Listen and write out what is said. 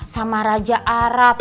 sama raja arab